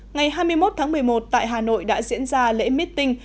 ngày hai mươi một tháng một mươi một tại hà nội đã diễn ra lễ meeting